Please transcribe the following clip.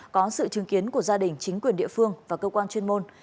có sự chứng kiến của gia đình chính quyền địa phương và cơ quan chuyên môn